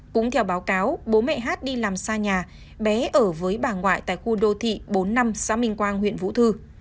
cũng theo báo cáo bố mẹ hát đi làm xa nhà bé ở với bà ngoại tại khu đô thị bốn mươi năm xã minh quang huyện vũ thư